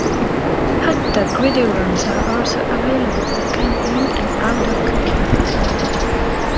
Hotdog gridirons are also available for camping and outdoor cooking.